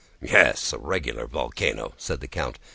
"Yes, a regular volcano," said the count.